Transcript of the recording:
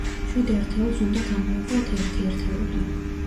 შვიდ ერთეულს უნდა გამოვაკლოთ ერთი ერთეული.